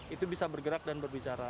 itu bisa bergerak dan berbicara